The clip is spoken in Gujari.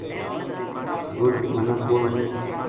گل منا پُل